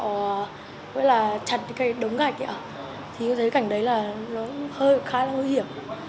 sơn sọ chặt đống gạch thì con thấy cảnh đấy khá là nguy hiểm